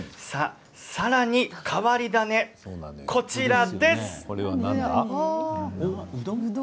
さらに変わり種、こちらです。